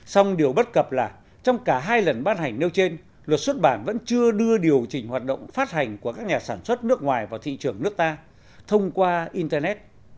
xong điều bất cập là trong cả hai lần bán hành nêu trên luật xuất bản vẫn chưa đưa điều chỉnh hoạt động phát hành của các nhà sản xuất nước ngoài vào thị trường nước ta thông qua internet